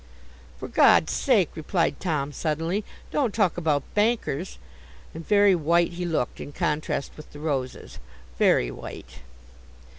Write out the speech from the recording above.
'For God's sake,' replied Tom, suddenly, 'don't talk about bankers!' And very white he looked, in contrast with the roses. Very white.